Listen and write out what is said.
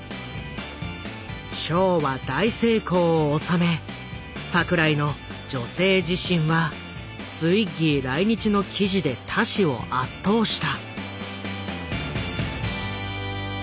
ショーは大成功を収め櫻井の「女性自身」はツイッギー来日の記事で他誌を圧倒した。